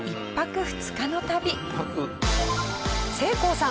せいこうさん